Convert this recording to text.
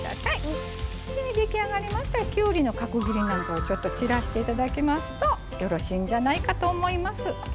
出来上がりましたらきゅうりの角切りなんかをちょっと散らして頂きますとよろしいんじゃないかと思います。